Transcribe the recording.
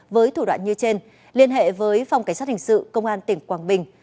với thủ đoạn như trên liên hệ với phòng cảnh sát hình sự công an tỉnh quảng bình